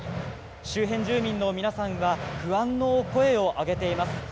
周辺住民の皆さんは不安の声を上げています。